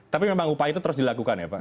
tapi memang upaya itu terus dilakukan ya pak